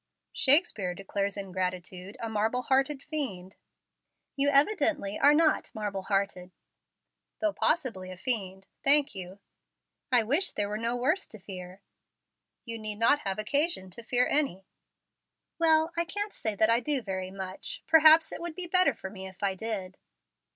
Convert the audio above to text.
"Shakespeare declares ingratitude a 'marble hearted fiend.'" "You evidently are not 'marble hearted.'" "Though possibly a fiend. Thank you." "I wish there were no worse to fear." "You need not have occasion to fear any." "Well, I can't say that I do very much. Perhaps it would be better for me if I did."